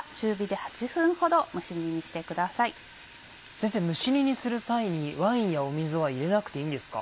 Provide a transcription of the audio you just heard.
先生蒸し煮にする際にワインや水は入れなくていいんですか？